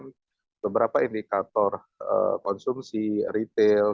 kemudian beberapa indikator konsumsi retail